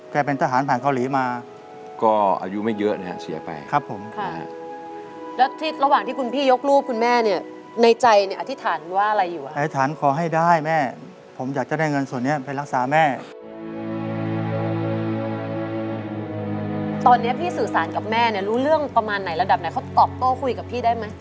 ตอนเนี้ยพี่สู่ศาลกับแม่รู้เรื่องประมาณระดับไหนเขาออกโต้คุยได้มะ